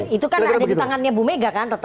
oke itu kan ada di tangannya ibu mega kan tetap